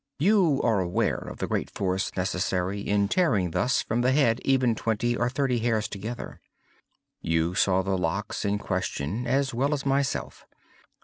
You are aware of the great force necessary in tearing thus from the head even twenty or thirty hairs together. You saw the locks in question as well as myself.